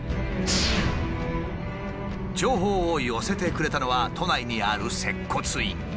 情報を寄せてくれたのは都内にある接骨院。